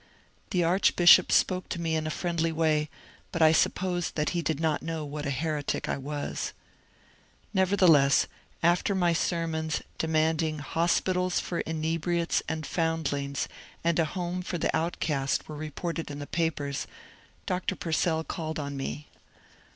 The archbishop spoke to me in a friendly way, but I supposed he did not know what a heretic I was. Nevertheless, after my sermons demanding hospitals for inebriates and foundlings and a home for the outcast were reported in the papers. Dr. Purcell called on me.